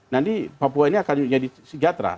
nanti papua ini akan jadi sejahtera